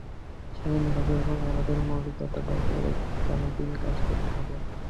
স্বাধীনভাবে এবং আমার মৌলিকতা বজায় রেখে আগামী দিনে কাজ করতে চাই।